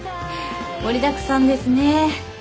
盛りだくさんですね。